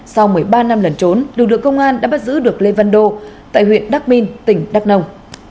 sau một mươi ba năm lần trốn lực lượng công an đã bắt giữ được lê văn đô tại huyện đắc minh tỉnh đắk nông